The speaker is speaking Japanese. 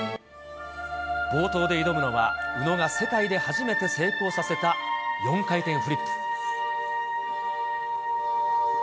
冒頭で挑むのは、宇野が世界で初めて成功させた４回転フリップ。